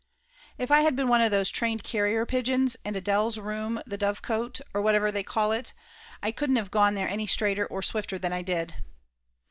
If I had been one of these trained carrier pigeons and A'dele's room the dovecot, or whatever they call it, I couldn't of gone there any straighter or swifter than I did.